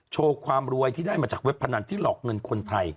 โชว์ความรวยที่ได้มาจากเว็บพนันที่หลอกเงินคนไทย